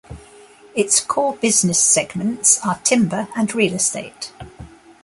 Its core business segments are timber and real estate.